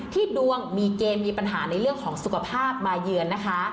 ดวงมีเกณฑ์มีปัญหาในเรื่องของสุขภาพมาเยือนนะคะ